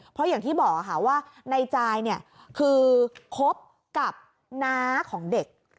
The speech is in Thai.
เพราะอย่างที่บอกค่ะว่าในจายคือคบกับน้าของเด็ก